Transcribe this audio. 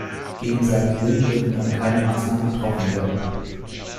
Gegen seinen Willen dürfen dann keine Maßnahmen getroffen werden.